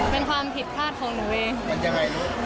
เป็นความผิดพลาดของหนูเอง